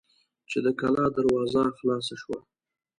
چې د کلا دروازه خلاصه شوه.